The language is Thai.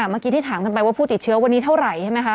เมื่อกี้ที่ถามกันไปว่าผู้ติดเชื้อวันนี้เท่าไหร่ใช่ไหมคะ